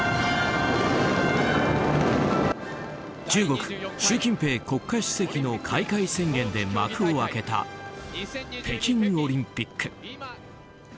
中国、習近平国家主席の開会宣言で幕を開けた北京オリンピック。